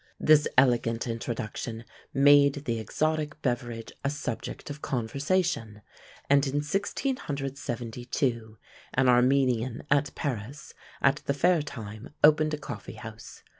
This elegant introduction made the exotic beverage a subject of conversation, and in 1672, an Armenian at Paris at the fair time opened a coffee house.